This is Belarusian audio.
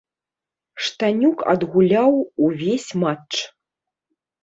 Штанюк адгуляў увесь матч.